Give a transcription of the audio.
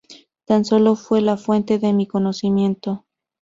Tan solo fue la fuente de mi conocimiento".